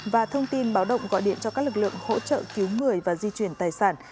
và thông tin báo động gọi điện cho các lực lượng hỗ trợ cứu người và di chuyển tài sản